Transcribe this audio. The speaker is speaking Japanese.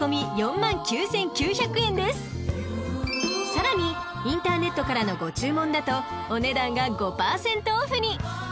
［さらにインターネットからのご注文だとお値段が５％オフに！］